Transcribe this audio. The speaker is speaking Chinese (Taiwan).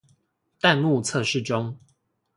彈幕測試中